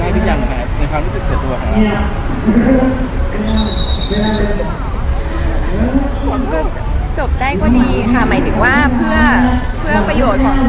เลยจบได้ก็ดีค่ะหมายถึงว่าเพื่อการประโยชน์ของทุก